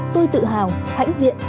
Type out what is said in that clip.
tôi tự hào hãnh diện